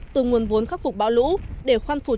từ nguồn vốn khắc phục bão lũ để khoan phục